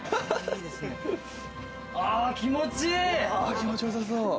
わぁ、気持ちいい！